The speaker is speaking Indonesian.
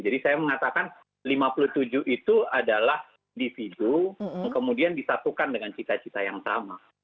jadi saya mengatakan lima puluh tujuh itu adalah individu kemudian disatukan dengan cita cita yang sama